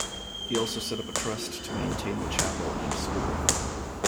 He also set up a trust to maintain the chapel and school.